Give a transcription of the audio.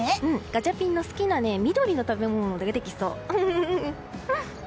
ガチャピンの好きな緑の食べ物も出てきそう。